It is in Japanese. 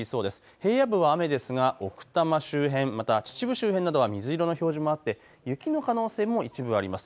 平野部は雨ですが奥多摩周辺、また秩父周辺などは水色の表示もあって雪の可能性も一部あります。